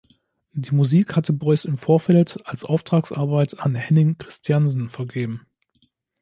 Die Musik hatte Beuys im Vorfeld als Auftragsarbeit an Henning Christiansen vergeben.